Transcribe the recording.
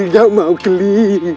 nggak mau geli